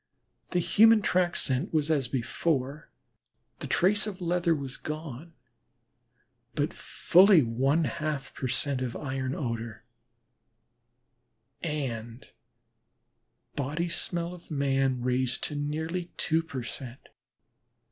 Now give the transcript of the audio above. The human track scent was as before, the trace of leather was gone, but fully one half per cent, of iron odor, and body smell of man raised to nearly two per cent.